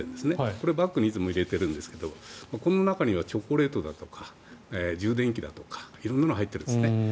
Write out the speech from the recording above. これ、バッグにいつも入れてるんですがこの中にはチョコレートとか充電器とか色んなものが入っているんですね。